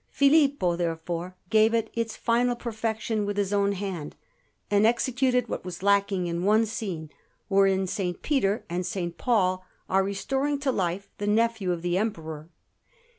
Filippo, therefore, gave it its final perfection with his own hand, and executed what was lacking in one scene, wherein S. Peter and S. Paul are restoring to life the nephew of the Emperor.